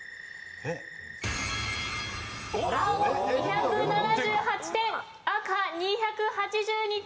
青２７８点赤２８２点。